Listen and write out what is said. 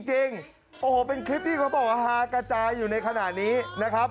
จริงโอ้โหเป็นคลิปที่เขาบอกว่าฮากระจายอยู่ในขณะนี้นะครับ